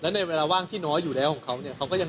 แล้วในเวลาว่างที่น้อยอยู่แล้วของเค้าเนี่ย